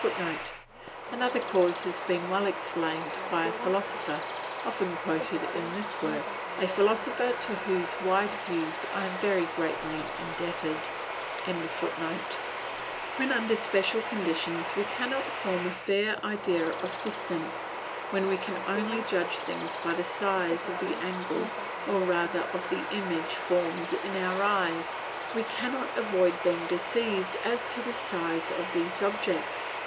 [Footnote: Another cause has been well explained by a philosopher, often quoted in this work, a philosopher to whose wide views I am very greatly indebted.] When under special conditions we cannot form a fair idea of distance, when we can only judge things by the size of the angle or rather of the image formed in our eyes, we cannot avoid being deceived as to the size of these objects.